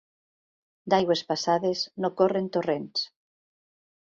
D'aigües passades no corren torrents.